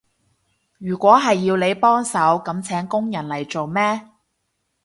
如果係要你幫手，噉請工人嚟做咩？